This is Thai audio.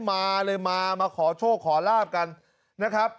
มาเลยมามาขอโชคขอลาบกันนะครับ